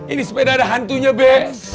ini sepeda ada hantunya bek